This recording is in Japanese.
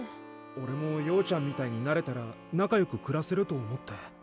おれもようちゃんみたいになれたら仲よく暮らせると思って。